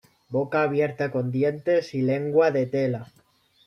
Boca abierta con dientes y lengua de tela.